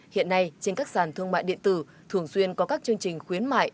hiện nay trên các sản thương mạng điện tử thường xuyên có các chương trình khuyến mại